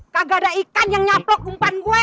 kagak ada ikan yang nyaplok umpan gue